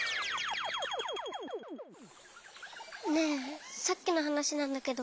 ねえさっきのはなしなんだけど。